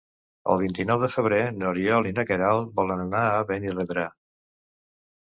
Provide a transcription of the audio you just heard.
El vint-i-nou de febrer n'Oriol i na Queralt volen anar a Benirredrà.